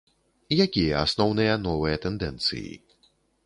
Якія асноўныя новыя тэндэнцыі?